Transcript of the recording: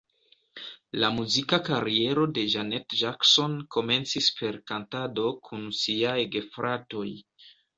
La muzika kariero de Janet Jackson komencis per kantado kun siaj gefratoj.